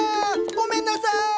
ごめんなさい！